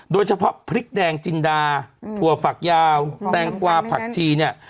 โดยเฉพาะพริกแดงจินดาถั่วฝักยาวแตงกวาผักชีเนี่ย